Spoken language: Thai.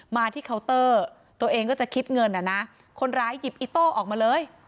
มาที่เคาน์เตอร์ตัวเองก็จะคิดเงินอ่ะนะคนร้ายหยิบอิโต้ออกมาเลย